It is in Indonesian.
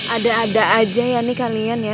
ada ada aja ya nih kalian ya